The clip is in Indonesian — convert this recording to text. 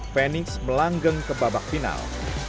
fenix melanggeng ke babak final